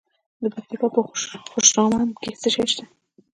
د پکتیکا په خوشامند کې څه شی شته؟